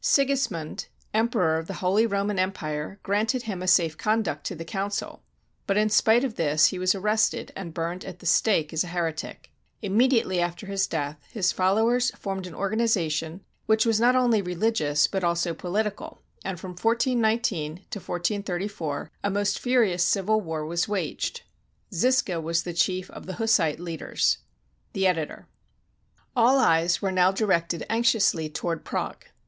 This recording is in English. Sigis mund, Emperor of the Holy Roman Empire, granted him a safe conduct to the council; but in spite of this he was ar rested and burned at the stake as a heretic. Immediately after his death, his followers formed an organization which was not only religious but also political, and from 141 9 to 1434 a most furious civil war was waged. Zisca was the chief of the Hussite leaders. The Editor.] All eyes were now directed anxiously toward Prague.